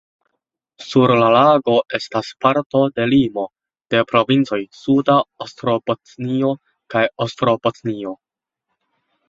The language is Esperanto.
Sur la lago estas parto de limo de provincoj Suda Ostrobotnio kaj Ostrobotnio.